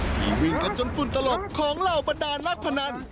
วิ่งกันจนฝุ่นตลบของเหล่าบรรดานักพนัน